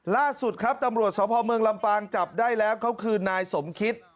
ล่าสุดครับตำรวจสพเมืองลำปางจับได้แล้วเขาคือนายสมคิต